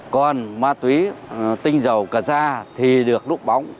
còn ma túy tinh dầu cà ra thì được núp bóng